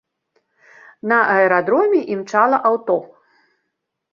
На аэрадроме імчала аўто.